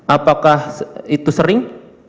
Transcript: apakah itu sering